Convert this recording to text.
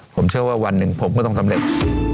ผมเชื่อว่าวันหนึ่งผมก็ต้องสำเร็จ